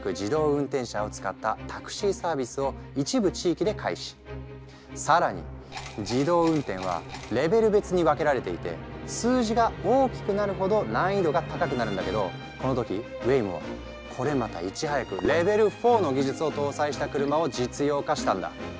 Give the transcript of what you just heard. この開発競争をリードしたのは更に自動運転はレベル別に分けられていて数字が大きくなるほど難易度が高くなるんだけどこの時ウェイモはこれまたいち早くレベル４の技術を搭載した車を実用化したんだ。